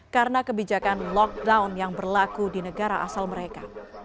karena kebijakan lockdown yang berlaku di negara asal mereka